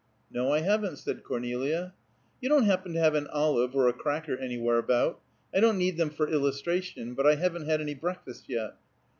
"No, I haven't," said Cornelia. "You don't happen to have an olive or a cracker any where about? I don't need them for illustration, but I haven't had any breakfast, yet."